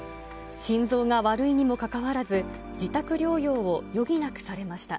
心臓が悪いにもかかわらず、自宅療養を余儀なくされました。